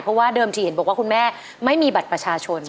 เพราะว่าเดิมทีเห็นบอกว่าคุณแม่ไม่มีบัตรประชาชน